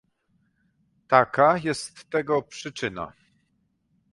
Taka jest tego przyczyna